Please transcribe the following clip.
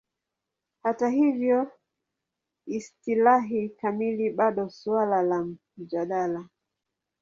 Hata hivyo, istilahi kamili bado suala la mjadala.